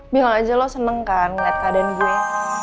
bilang aja lo seneng kan ngeliat keadaan gue